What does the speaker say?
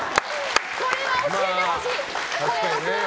これは教えてほしい。